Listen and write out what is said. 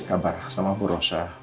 karena gini mah